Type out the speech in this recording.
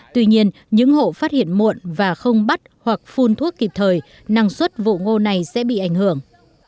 tuy nhiên những hộ phát hiện muộn và không bắt hoặc phun thuốc kịp thời năng suất vụ ngô này sẽ bị ảnh hưởng